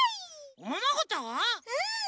うん！